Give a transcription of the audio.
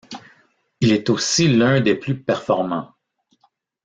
Il était aussi l'un des plus performants.